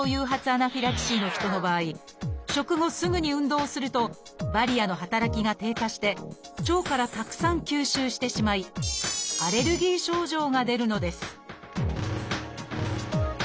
アナフィラキシーの人の場合食後すぐに運動するとバリアの働きが低下して腸からたくさん吸収してしまいアレルギー症状が出るのです